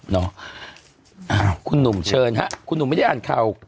เนาะคุณหนุ่มเชิญฮะคุณหนุ่มไม่ได้อ่านข่าว